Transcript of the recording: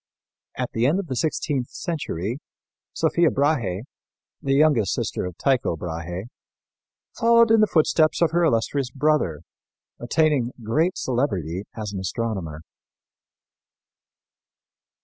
At the end of the sixteenth century, Sophia Brahe, the youngest sister of Tycho Brahe, following in the footsteps of her illustrious brother, attained great celebrity as an astronomer.